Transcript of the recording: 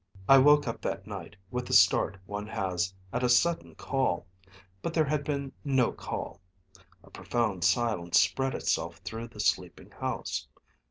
I woke up that night with the start one has at a sudden call. But there had been no call. A profound silence spread itself through the sleeping house.